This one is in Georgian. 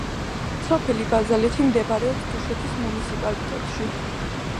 სოფელი ბაზალეთი მდებარეობს დუშეთის მუნიციპალიტეტში.